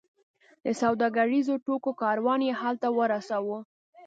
د سوداګریزو توکو کاروان یې هلته ورساوو.